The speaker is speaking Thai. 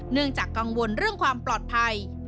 เนื่องจากกังวลเรื่องความปลอดภัย